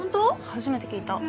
初めて聞いた。